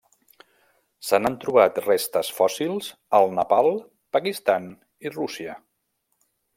Se n'han trobat restes fòssils al Nepal, Pakistan i Rússia.